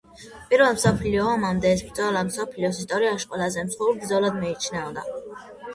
პირველ მსოფლიო ომამდე ეს ბრძოლა მსოფლიოს ისტორიაში ყველაზე მსხვილ ბრძოლად მიიჩნეოდა.